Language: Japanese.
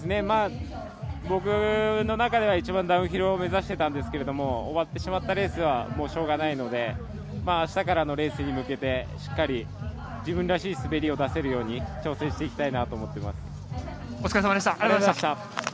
僕の中では一番ダウンヒルを目指していたんですけど終わってしまったレースはしょうがないのであしたからのレースに向けてしっかり自分らしい滑りを出せるように調整していきたいなと思います。